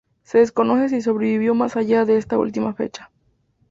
Se desconoce si sobrevivió más allá de esta última fecha.